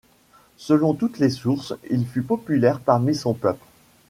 Selon toutes les sources, il fut populaire parmi son peuple.